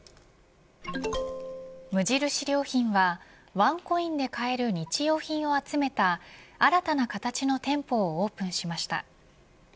無印良品はワンコインで買える日用品を集めた新たな形の店舗をオープンしました。